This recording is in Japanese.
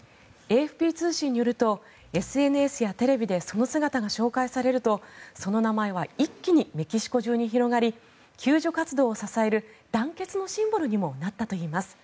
ＡＦＰ通信によるとＳＮＳやテレビでその姿が紹介されるとその名前は一気にメキシコ中に広がり救助活動を支える団結のシンボルにもなったといいます。